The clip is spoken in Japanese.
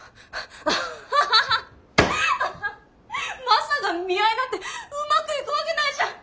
マサが見合いなんてうまくいくわけないじゃん。